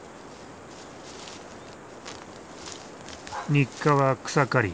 日課は草刈り。